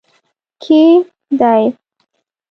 کې دی